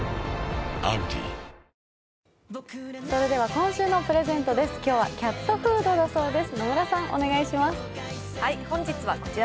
今週のプレゼントです、今日はキャットフードだそうです。